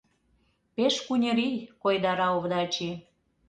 — Пеш куньырий! — койдара Овдачи.